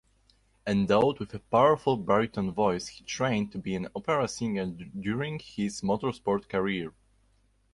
Endowed with a powerful baritone voice, he trained to be an opera singer during his motorsport career.